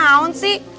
ini kenaan sih